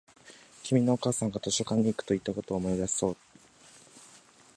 君のお母さんが図書館に行くと言ったことを思い出したそうだ